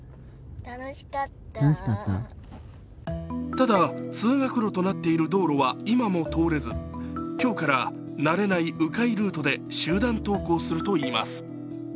ただ、通学路となっている道路は今も通れず、今日から慣れない、う回ルートで集団登校するといいます。